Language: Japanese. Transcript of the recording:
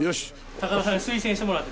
高田さんに推薦してもらって。